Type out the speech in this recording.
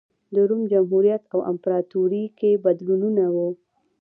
د روم جمهوریت او امپراتورۍ کې بدلونونه و